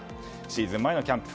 シーズン前のキャンプ